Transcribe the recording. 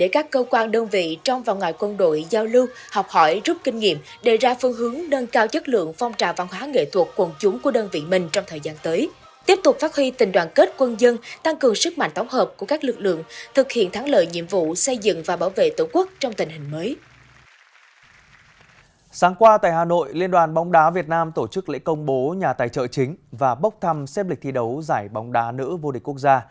các tổ chức lễ công bố nhà tài trợ chính và bốc thăm xếp lịch thi đấu giải bóng đá nữ vô địch quốc gia